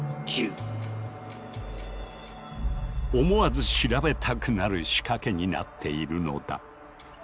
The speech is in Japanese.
思わず調べたくなる仕掛けになっているのだ。